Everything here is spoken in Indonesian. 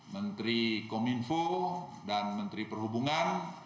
menteri kominfo dan menteri perhubungan